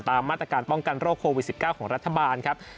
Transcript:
มาตรการป้องกันโรคโควิด๑๙ของรัฐบาลครับ